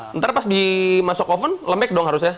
ntar pas dimasuk oven lembek dong harusnya